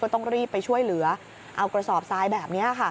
ต้องรีบไปช่วยเหลือเอากระสอบทรายแบบนี้ค่ะ